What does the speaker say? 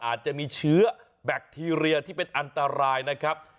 อาจจะมีเชื้อแบคทีเรียที่เป็นอันตรายนะครับ